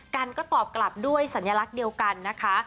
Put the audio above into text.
กันก็ตอบกลับด้วยสัญลักษณ์เดียวกันนะคะ